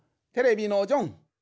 テレビのジョン。